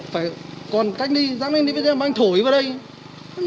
phải còn cách đi dám anh đi với em mà anh thổi đi vào đây